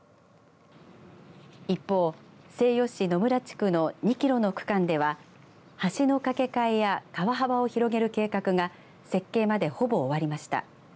一方、西予市野村地区の２キロの区間では橋の架け替えや川幅を広げる計画が設計まで、ほぼ終わりました。